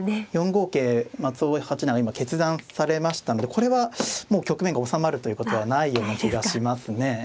五桂松尾八段が今決断されましたのでこれはもう局面が収まるということはないような気がしますね。